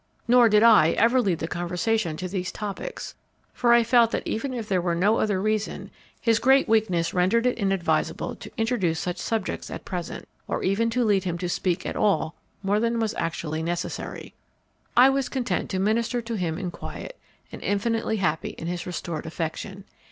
Nor did I ever lead the conversation to these topics; for I felt that even if there were no other reason, his great weakness rendered it inadvisable to introduce such subjects at present, or even to lead him to speak at all more than was actually necessary. I was content to minister to him in quiet, and infinitely happy in his restored affection.